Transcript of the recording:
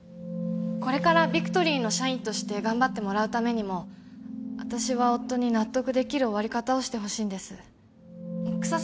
これからビクトリーの社員として頑張ってもらうためにも私は夫に納得できる終わり方をしてほしいんです草